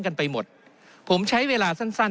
กันไปหมดผมใช้เวลาสั้นสั้น